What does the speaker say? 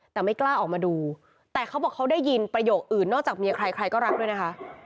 แต่ไม่กล้าออกมาดูแต่เขาบอกเขาได้ยินประโยคอื่นนอกจากเมียใครใครก็รักด้วยนะคะ